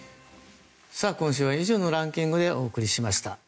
今週は以上のランキングでお送りしました。